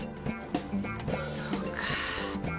そうか。